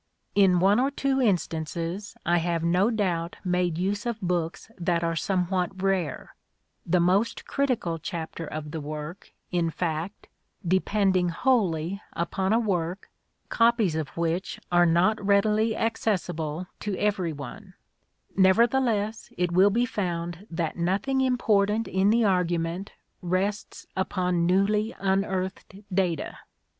In one or two instances I have no doubt made use of books that are somewhat rare, the most critical chapter of the work, in fact, depending wholly upon a work, copies of which are not readily accessible to every one : nevertheless it will be found that nothing important in the argument rests upon newly un earthed data.